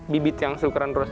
bibit yang seukuran lima ribuan